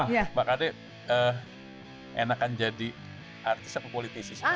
nah mbak kate enakan jadi artis atau politis